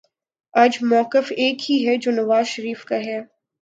آج مؤقف ایک ہی ہے جو نواز شریف کا ہے